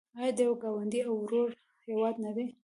آیا د یو ګاونډي او ورور هیواد نه دی؟